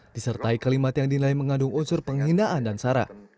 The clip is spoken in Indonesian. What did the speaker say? disertai kalimat yang dinilai mengandung unsur penghinaan dan sara